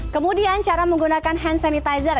kemudian cara menggunakan hand sanitizer